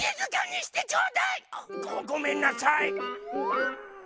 ごめんなさい。